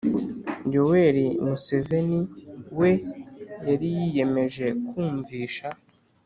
yoweri museveni we yari yiyemeje kumvisha